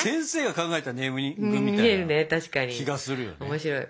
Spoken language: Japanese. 面白い。